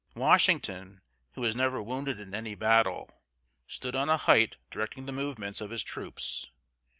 Washington, who was never wounded in any battle, stood on a height directing the movements of his troops.